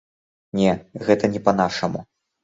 Не, гэта не па-нашаму.